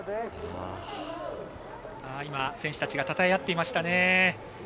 選手たちがたたえ合っていました。